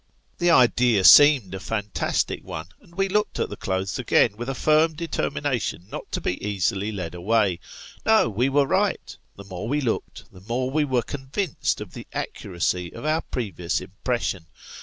The idea seemed a fantastic one, and we looked at the clothes again with a firm determination not to be easily led away. No, we were right ; the more we looked, the more we were convinced of the accuracy 56 Sketches by Boz. of our previous impression.